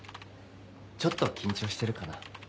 ちょっと緊張してるかな？